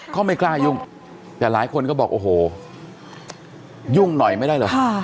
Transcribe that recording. เขาไม่กล้ายุ่งแต่หลายคนก็บอกโอ้โหยุ่งหน่อยไม่ได้เหรอ